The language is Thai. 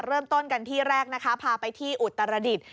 เริ่มต้นกันที่แรกนะคะพาไปที่อุตรดิษฐ์